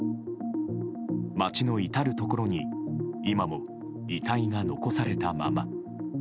街の至るところに今も遺体が残されたまま。